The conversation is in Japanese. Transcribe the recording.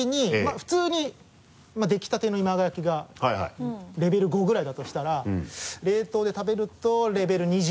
普通にできたての今川焼きがレベル５ぐらいだとしたら冷凍で食べるとレベル２０。